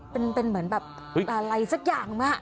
เป็นเหมือนแบบอะไรสักอย่างมาก